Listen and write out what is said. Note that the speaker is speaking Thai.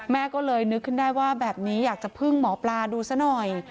แม่ก็เลยนึกขึ้นได้ว่าแบบนี้อยากจะพึ่งหมอปลาดูซะหน่อย